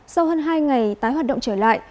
sau hơn hai ngày tái hoạt động trở lại